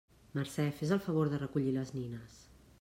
Mercè, fes el favor de recollir les nines!